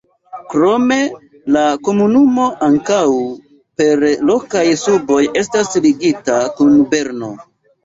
Krome la komunumo ankaŭ per lokaj busoj estas ligita kun Berno.